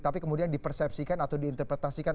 tapi kemudian dipersepsikan atau diinterpretasikan